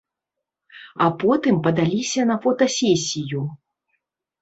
А потым падаліся на фотасесію.